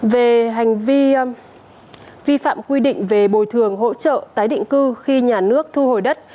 về hành vi vi phạm quy định về bồi thường hỗ trợ tái định cư khi nhà nước thu hồi đất